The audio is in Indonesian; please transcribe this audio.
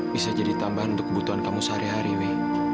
bisa jadi tambahan untuk kebutuhan kamu sehari hari we